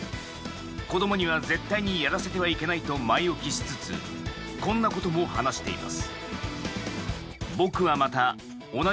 子供には絶対やらせてはいけないと前置きしつつこんなことも話しています。